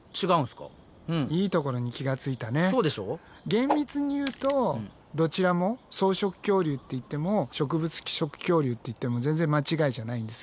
厳密に言うとどちらも草食恐竜って言っても植物食恐竜って言っても全然間違いじゃないんですけど。